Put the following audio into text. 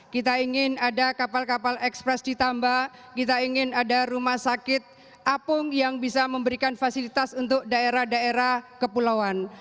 kita ingin ada kapal kapal ekspres ditambah kita ingin ada rumah sakit apung yang bisa memberikan fasilitas untuk daerah daerah kepulauan